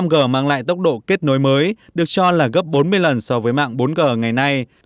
năm g mang lại tốc độ kết nối mới được cho là gấp bốn mươi lần so với mạng bốn g ngày nay